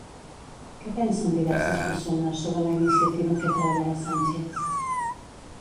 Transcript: Què pensen diverses persones sobre la iniciativa en què treballarà Sànchez?